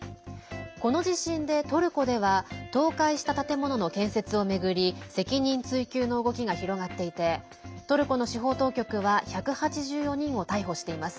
この地震でトルコでは倒壊した建物の建設を巡り責任追及の動きが広がっていてトルコの司法当局は１８４人を逮捕しています。